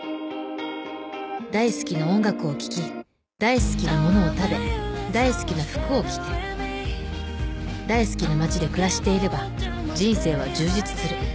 ［大好きな音楽を聴き大好きなものを食べ大好きな服を着て大好きな街で暮らしていれば人生は充実する。］